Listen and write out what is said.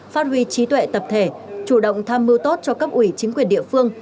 phát huy trí tuệ tập thể chủ động tham mưu tốt cho cấp ủy chính quyền địa phương